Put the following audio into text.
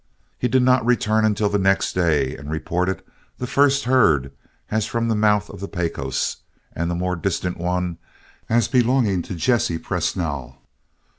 He did not return until the next day, and reported the first herd as from the mouth of the Pecos, and the more distant one as belonging to Jesse Presnall.